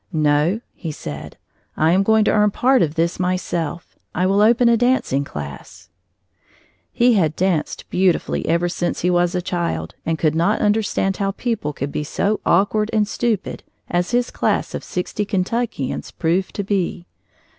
"No," he said, "I am going to earn part of this myself. I will open a dancing class." He had danced beautifully ever since he was a child and could not understand how people could be so awkward and stupid as his class of sixty Kentuckians proved to be.